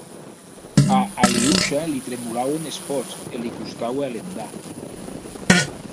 A Aliosha li tremolauen es pòts e li costaue alendar.